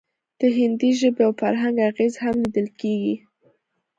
د هندي ژبې او فرهنګ اغیز هم لیدل کیږي